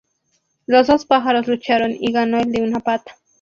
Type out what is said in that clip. Los dos pájaros lucharon, y ganó el de una pata.